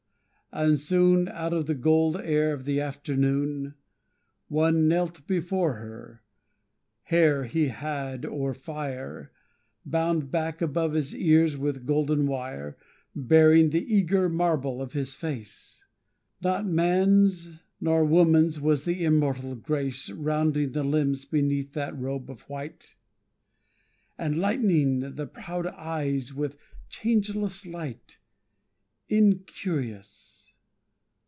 And soon, Out of the gold air of the afternoon, One knelt before her: hair he had, or fire, Bound back above his ears with golden wire, Baring the eager marble of his face. Not man's nor woman's was the immortal grace Rounding the limbs beneath that robe of white, And lighting the proud eyes with changeless light, Incurious.